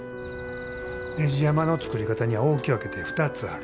ねじ山の作り方には大き分けて２つある。